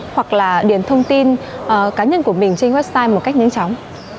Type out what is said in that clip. hoặc là điền thông tin cá nhân của mình trên website một cách nhanh chóng